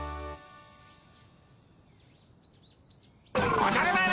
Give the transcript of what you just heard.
おじゃる丸！